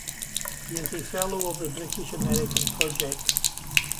He is a Fellow of the British-American Project.